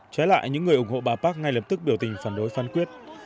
trái lại những người ủng hộ bà park ngay lập tức biểu tình phản đối phán quyết